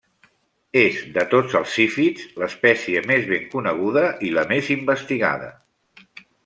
És, de tots els zífids, l'espècie més ben coneguda i la més investigada.